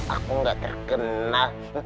aku gak terkena